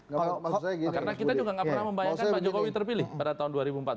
karena kita juga nggak pernah membayangkan pak jokowi terpilih pada tahun dua ribu empat belas